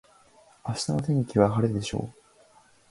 明日の天気は晴れでしょう。